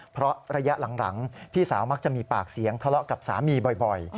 เพราะระยะหลังพี่สาวมักจะมีปากเสียงทะเลาะกับสามีบ่อย